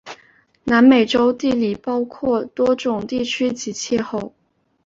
南美洲地理包括多种地区及气候。